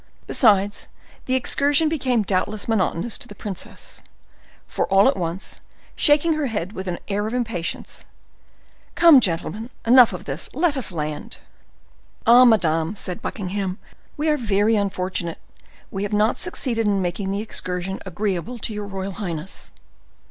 Besides, the excursion became doubtless monotonous to the princess, for all at once, shaking her head with an air of impatience,—"Come gentlemen,—enough of this;—let us land." "Ah, madam," said Buckingham, "we are very unfortunate! We have not succeeded in making the excursion agreeable to your royal highness."